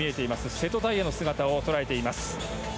瀬戸大也の姿を捉えています。